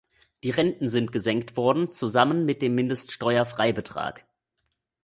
Die Renten sind gesenkt worden, zusammen mit dem Mindeststeuerfreibetrag.